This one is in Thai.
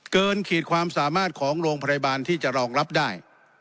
ขีดความสามารถของโรงพยาบาลที่จะรองรับได้